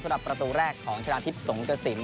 สำหรับประตูแรกของชนะทิพย์สงตะศิลป์